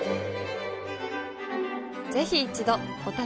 ぜひ一度お試しを。